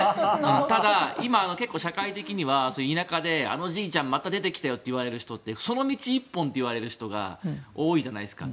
ただ、今、結構社会的には田舎であのじいちゃん出てきたよっていわれる人ってその道一本といわれる人が多いじゃないですか。